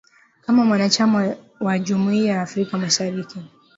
kama mwanachama wa jumuiya ya Afrika mashariki